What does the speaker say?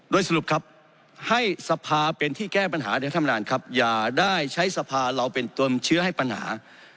โดยสรุปครับให้สภาเป็นที่แก้ปัญหาอย่าได้ใช้สภาเราเป็นตวมเชื้อให้ปัญหา